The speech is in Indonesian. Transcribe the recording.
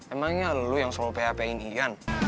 emangnya lo yang selalu php in ian